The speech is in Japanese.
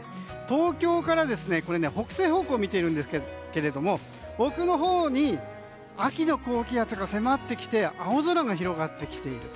東京から北西方向を見ていますが奥のほうに秋の高気圧が迫ってきて青空が広がってきている。